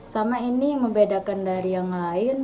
sama ini membedakan dari yang lain